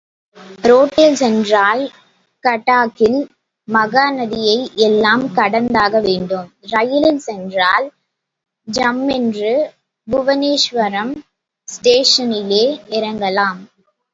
ரோட்டில் சென்றால், கட்டாக்கில் மகாநதியை எல்லாம் கடந்தாக வேண்டும், ரயிலில் சென்றால், ஜம்மென்று புவுனேஸ்வரம் ஸ்டேஷனிலே இறங்கலாம்.